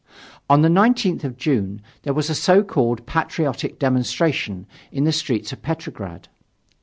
On the 19th of June, there was a so called patriotic demonstration in the streets of Petrograd.